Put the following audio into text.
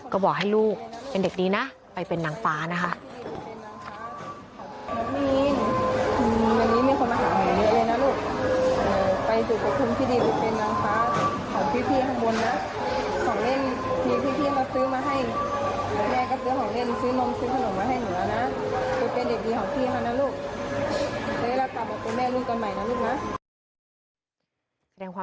ก็บอกให้ลูกเป็นเด็กดีนะไปเป็นนางฟ้านะคะ